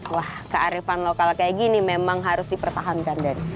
wah kearifan lokal kayak gini memang harus dipertahankan